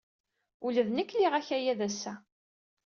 Ula d nekk liɣ akayad ass-a.